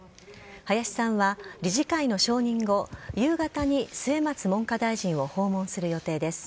林さんは、理事会の承認後夕方に末松文科大臣を訪問する予定です。